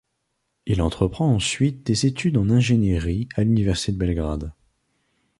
Il entreprend ensuite des études en ingénierie à l'Université de Belgrade.